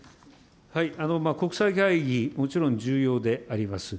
国際会議、もちろん重要であります。